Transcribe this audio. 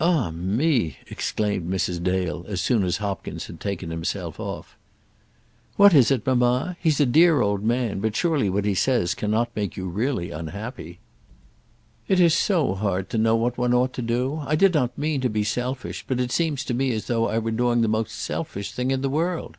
"Ah me!" exclaimed Mrs. Dale, as soon as Hopkins had taken himself off. "What is it, mamma? He's a dear old man, but surely what he says cannot make you really unhappy." "It is so hard to know what one ought to do. I did not mean to be selfish, but it seems to me as though I were doing the most selfish thing in the world."